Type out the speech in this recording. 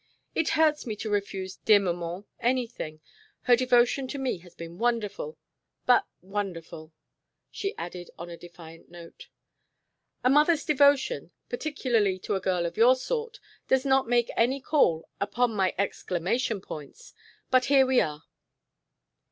It hurts me to refuse dear maman anything. Her devotion to me has been wonderful but wonderful," she added on a defiant note. "A mother's devotion, particularly to a girl of your sort, does not make any call upon my exclamation points. But here we are."